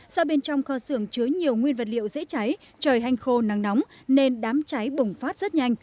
do bên trong kho xưởng chứa nhiều nguyên vật liệu dễ cháy trời hanh khô nắng nóng nên đám cháy bùng phát rất nhanh